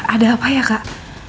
ada apa ya kak